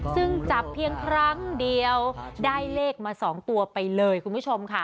ซึ่งจับเพียงครั้งเดียวได้เลขมา๒ตัวไปเลยคุณผู้ชมค่ะ